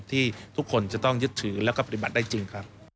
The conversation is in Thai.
ที่ทุกคนจะต้องยึดถือและปฏิบัติได้จริง